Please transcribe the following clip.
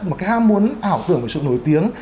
một cái ham muốn ảo tưởng về sự nổi tiếng